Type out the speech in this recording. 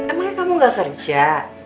emangnya kamu gak kerja